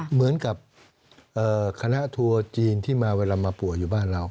เหมือนกับคณะทัวร์จีนที่มาเวลามาป่วยอยู่บ้านเรา